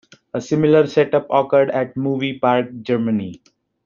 A similar set-up occurred at Movie Park Germany.